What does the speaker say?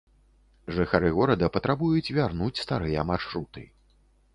Жыхары горада патрабуюць вярнуць старыя маршруты.